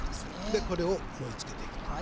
でこれを盛りつけていきます。